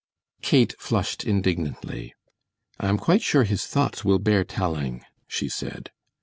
Kate flushed indignantly. "I am quite sure his thoughts will bear telling," she said.